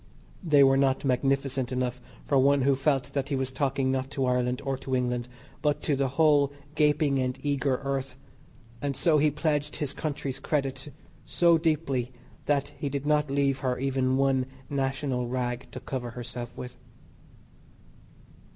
They were not magnificent enough for one who felt that he was talking not to Ireland or to England, but to the whole gaping and eager earth, and so he pledged his country's credit so deeply that he did not leave her even one National rag to cover herself with.